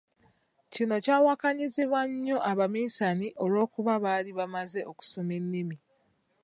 Kino kyawakanyizibwa nnyo abaminsane olw'okuba baali bamaze okusoma ennimi.